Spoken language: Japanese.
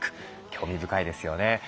興味深いですよね。